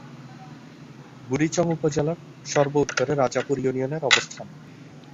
বুড়িচং উপজেলার সর্ব-উত্তরে রাজাপুর ইউনিয়নের অবস্থান।